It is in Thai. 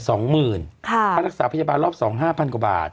ค่ารักษาพยาบาลรอบ๒๕๐๐กว่าบาท